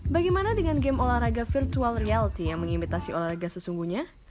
bagaimana dengan game olahraga virtual reality yang mengimitasi olahraga sesungguhnya